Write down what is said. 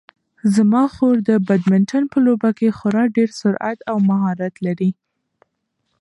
زما خور د بدمینټن په لوبه کې خورا ډېر سرعت او مهارت لري.